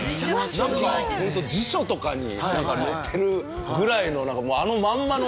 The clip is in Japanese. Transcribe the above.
なんかホント辞書とかに載ってるぐらいのあのまんまの。